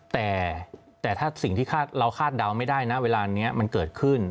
แต่ถ้าสิ่งที่เราคาดเดาไม่ได้นะเวลานี้มันเกิดขึ้น